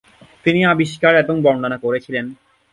তিনি আবিষ্কার এবং বর্ণনা করেছিলেন।